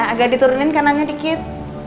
agak diturunin kanannya dikit